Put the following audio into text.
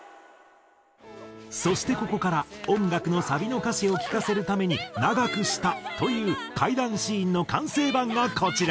そしてここから音楽のサビの歌詞を聴かせるために長くしたという階段シーンの完成版がこちら。